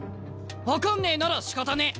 分かんねえならしかたねえ。